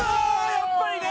やっぱりね！